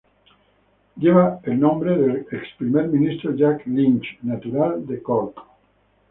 Lleva el nombre del ex Primer Ministro, Jack Lynch, natural de Cork.